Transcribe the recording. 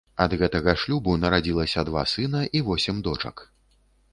Ад гэтага шлюбу нарадзілася два сына і восем дочак.